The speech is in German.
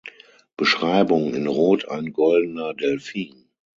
Beschreibung: In Rot ein goldener Delfin.